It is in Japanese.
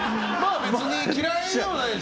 別に嫌いでもないし？